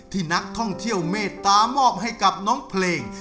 ที่นักท่องเที่ยวเมตตามอบให้กับน้องเพลง